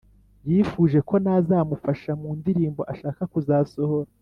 yifuje ko nazamufasha mu ndirimbo ashaka kuzasohora